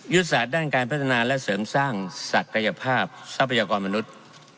ยุทธศาสตร์ด้านการพัฒนาและเสริมสร้างศักยภาพทรัพยากรมนุษย์